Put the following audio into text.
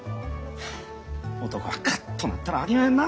男はカッとなったらあきまへんな。